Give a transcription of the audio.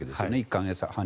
１か月半